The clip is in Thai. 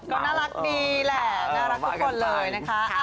ก็น่ารักดีแหละน่ารักทุกคนเลยนะคะ